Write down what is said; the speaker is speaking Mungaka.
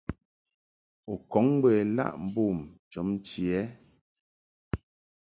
U kɔŋ bə ilaʼ mbom jɔbnchi ɛ ?